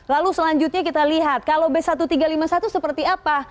lalu selanjutnya kita lihat kalau b satu tiga lima satu seperti apa